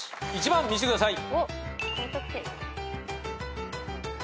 １番見せてください。